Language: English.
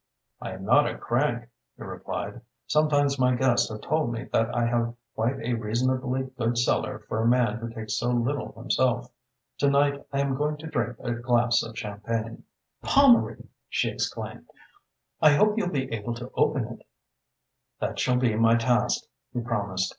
"I am not a crank," he replied. "Sometimes my guests have told me that I have quite a reasonably good cellar for a man who takes so little himself. To night I am going to drink a glass of champagne." "Pommery!" she exclaimed. "I hope you'll be able to open it." "That shall be my task," he promised.